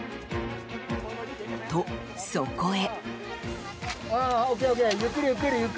と、そこへ。